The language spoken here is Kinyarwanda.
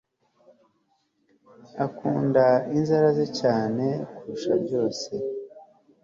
Akunda inzara ze cyane kurusha byose